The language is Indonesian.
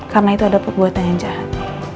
karena itu ada perbuatan yang jahat